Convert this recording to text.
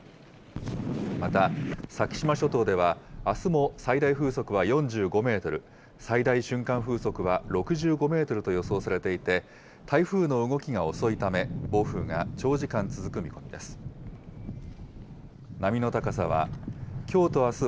また、先島諸島では、あすも最大風速は４５メートル、最大瞬間風速は６５メートルと予想されていて、台風の動きが遅いため、暴風が長時間続く見込みです。